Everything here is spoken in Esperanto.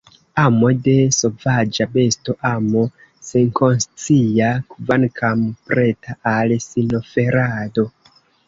Amo de sovaĝa besto, amo senkonscia, kvankam preta al sinoferado.